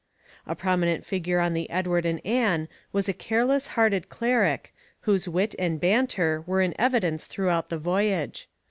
A prominent figure on the Edward and Ann was a careless hearted cleric, whose wit and banter were in evidence throughout the voyage.